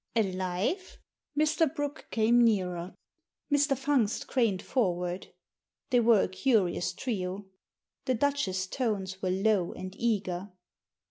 •'Alive?" Mr. Brooke came nearer. Mr. Fungst craned for ward. They were a curious trio. The Duchess's tones were low and eager.